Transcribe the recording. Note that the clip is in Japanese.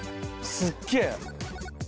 すっげえ！